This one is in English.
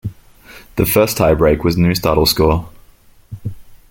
The first tiebreak was Neustadtl score.